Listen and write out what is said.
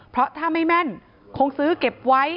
เพราะถ้าไม่แม่นคงซื้อเก็บไว้